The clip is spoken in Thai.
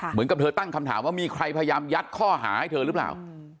เหมือนกับเธอตั้งคำถามว่ามีใครพยายามยัดข้อหาให้เธอหรือเปล่า